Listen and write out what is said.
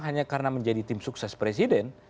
hanya karena menjadi tim sukses presiden